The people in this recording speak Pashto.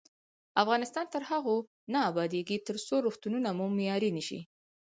افغانستان تر هغو نه ابادیږي، ترڅو روغتونونه مو معیاري نشي.